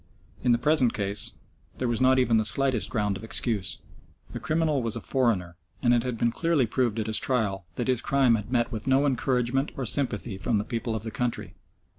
In the present case there was not even the slightest ground of excuse. The criminal was a foreigner, and it had been clearly proved at his trial that his crime had met with no encouragement or sympathy from the people of the country.